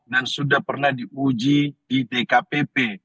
dan sudah pernah diuji di dkpp